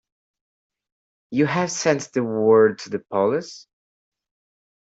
You have sent word to the police?